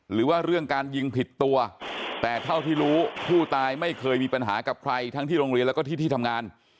หรือว่าเรื่องการยิงผิดตัวแต่เท่าที่รู้ผู้ตายไม่เคยมีปัญหากับใครทั้งที่โรงเรียนแล้วก็ที่ที่ทำงาน